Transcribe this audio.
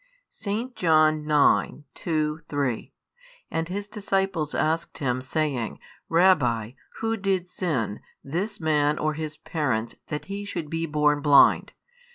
8 S. John ix. 2, 3 And His disciples asked Him, saying, Rabbi, who did sin, this man, or his parents, that he should be born blind?